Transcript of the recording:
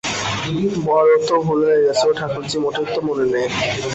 বড় তো ভুল হয়ে গেছে, ও ঠাকুরঝি, মোটেই তো মনে নেই।